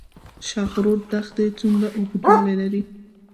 خاشرود دښتې څومره اوږدوالی لري؟